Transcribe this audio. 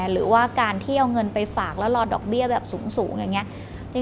หรือว่าการที่เอาเงินไปฝากแล้วรอดอกเบี้ยแบบสูงอย่างนี้